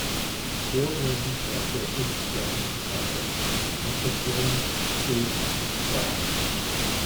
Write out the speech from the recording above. Fore wings are reddish brown in color with the veins streaked with black.